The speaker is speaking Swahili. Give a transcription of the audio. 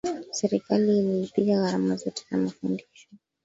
Serikali ililipia gharama zote za mafundisho